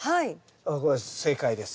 これ正解です。